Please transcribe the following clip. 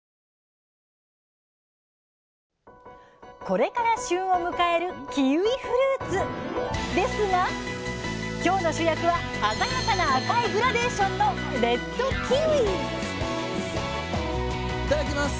これから旬を迎えるキウイフルーツ！ですが今日の主役は鮮やかな赤いグラデーションのいただきます。